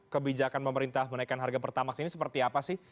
kebijakan pemerintah menaikkan harga pertamax ini seperti apa sih